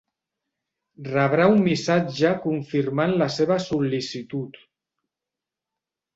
Rebrà un missatge confirmant la seva sol·licitud.